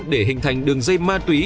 để hình thành đường dây ma túy